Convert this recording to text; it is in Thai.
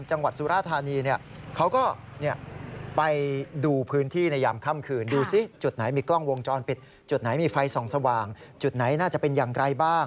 ยังไงในย่ำค่ำคืนนะครับ